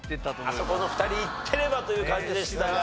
あそこの２人いってればという感じでしたが。